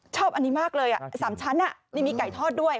ชอบอันนี้มากเลย๓ชั้นนี่มีไก่ทอดด้วย